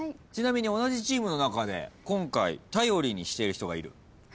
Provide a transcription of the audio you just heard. ちなみに同じチームの中で今回頼りにしている人がいる。